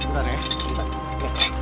oh sebentar ya